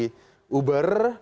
contohnya di uber